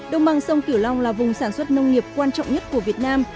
đồng bằng sông kiểu long là vùng sản xuất nông nghiệp quan trọng nhất của việt nam